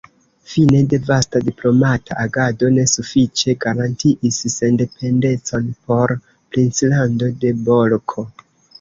Fine la vasta diplomata agado ne sufiĉe garantiis sendependecon por princlando de Bolko.